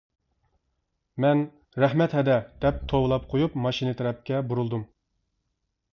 مەن «رەھمەت ھەدە! » دەپ توۋلاپ قويۇپ ماشىنا تەرەپكە بۇرۇلدۇم.